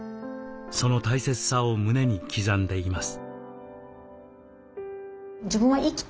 その大切さを胸に刻んでいます。